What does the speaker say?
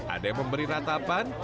ada yang memberi ratapan